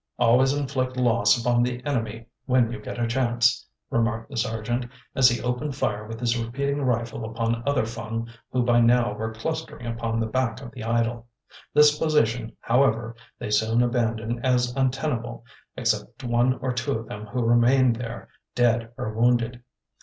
"Always inflict loss upon the enemy when you get a chance," remarked the Sergeant, as he opened fire with his repeating rifle upon other Fung who by now were clustering upon the back of the idol. This position, however, they soon abandoned as untenable, except one or two of them who remained there, dead or wounded.